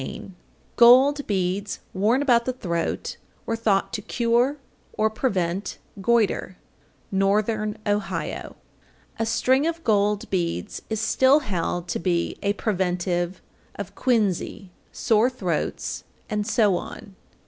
_ 798. Gold beads worn about the throat were thought to cure or or prevent goître. Northern Ohio. 799. A string of gold beads is still held to be a preventive of quinsy, sore throats, and so on.